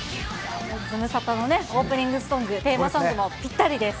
ズムサタのオープニングソング、テーマソングもぴったりです。